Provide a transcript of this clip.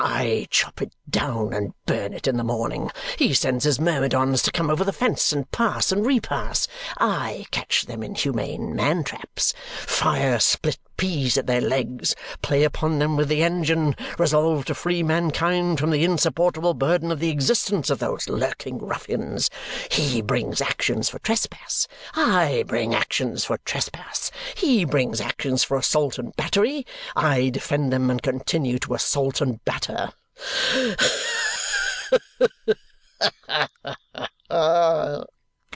I chop it down and burn it in the morning. He sends his myrmidons to come over the fence and pass and repass. I catch them in humane man traps, fire split peas at their legs, play upon them with the engine resolve to free mankind from the insupportable burden of the existence of those lurking ruffians. He brings actions for trespass; I bring actions for trespass. He brings actions for assault and battery; I defend them and continue to assault and batter.